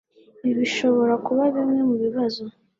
Ibi birashobora kuba bimwe mubibazo.